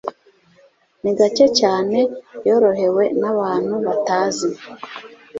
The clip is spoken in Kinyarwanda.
Ni gake cyane yorohewe n'abantu batazi.